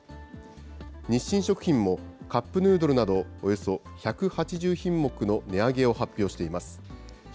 日清食品も、カップヌードルなどおよそ１８０品目の値上げを発表しています。